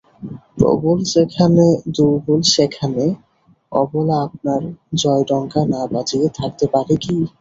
প্রবল যেখানে দুর্বল সেখানে অবলা আপনার জয়ডঙ্কা না বাজিয়ে থাকতে পারে কি?